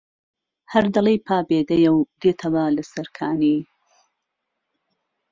هەر دەڵێی پابێدەیە و دێتەوە لەسەر کانی